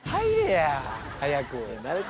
早く。